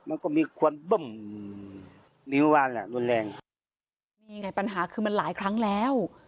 มันก็มีควันบึ้มนิ้ววานแหละรุนแรงนี่ไงปัญหาคือมันหลายครั้งแล้ว